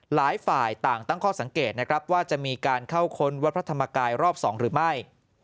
หลายฝ่ายต่างตั้งข้อสังเกตนะครับว่าจะมีการเข้าค้นวัดพระธรรมกายรอบ๒หรือไม่